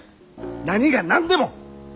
何が何でも！